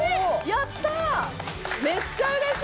やったー！